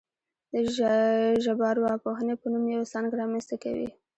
د ژبارواپوهنې په نوم یوه څانګه رامنځته کوي